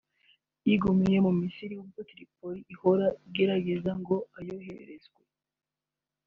yigumiye mu Misiri nubwo Tripoli ihora igerageza ngo ayohererezwe